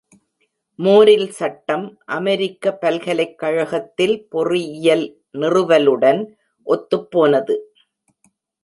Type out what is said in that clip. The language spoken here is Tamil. மோரில் சட்டம் அமெரிக்க பல்கலைக்கழகத்தில் பொறியியல் நிறுவலுடன் ஒத்துப்போனது.